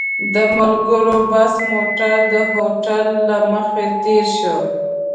د ملګرو بس موټر د هوټل له مخې تېر شو.